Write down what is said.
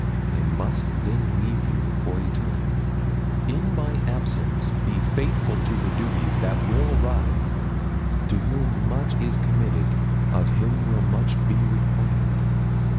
I must then leave you for a time; in my absence be faithful to the duties that will arise. To whom much is committed, of him will much be required.